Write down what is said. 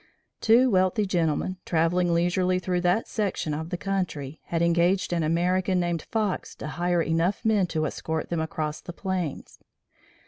Two wealthy gentlemen, travelling leisurely through that section of the country, had engaged an American named Fox to hire enough men to escort them across the plains.